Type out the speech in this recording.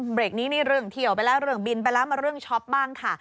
เบรกนี้นี่เรื่องเที่ยวไปแล้วเรื่องบินไปแล้วมาเรื่องช็อปบ้างค่ะ